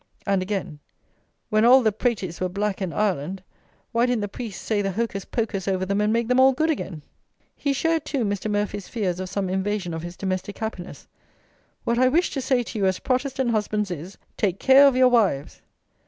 And again: "When all the praties were black in Ireland, why didn't the priests say the hocus pocus over them, and make them all good again?" He shared, too, Mr. Murphy's fears of some invasion of his domestic happiness: "What I wish to say to you as Protestant husbands is, Take care of your wives!"